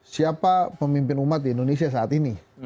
siapa pemimpin umat di indonesia saat ini